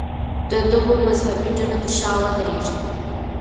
د دغو مذهبي ډلو تر شا ودرېږي.